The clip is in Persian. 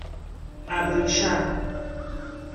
اَبریشم